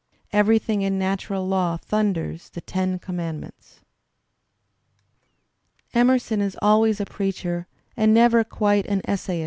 "Everything in natural law thunders the Ten Commandments." Emerson is always a preacher and never quite an essayist.